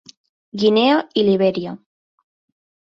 Guinea i Libèria.